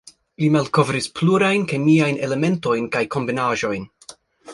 Li malkovris plurajn kemiajn elementojn kaj kombinaĵojn.